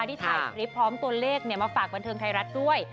ที่ถ่ายคลิปพร้อมตัวเลขมาฝากบันเทิงไทยรัฐด้วย